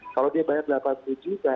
kalau dia bayar delapan puluh juta